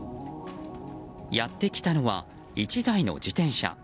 やってきたのは、１台の自転車。